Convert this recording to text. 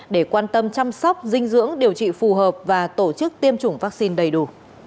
để quan tâm chăm sóc dinh dưỡng điều trị phù hợp và tổ chức tiêm chủng vaccine đầy đủ